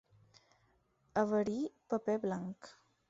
Haver-hi paper blanc.